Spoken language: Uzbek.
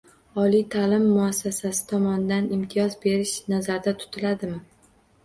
Oliy ta’lim muassasasi tomonidan imtiyoz berish nazarda tutiladimi?